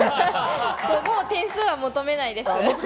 もう点数は求めないです。